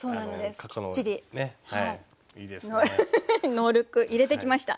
「ノールック」入れてきました。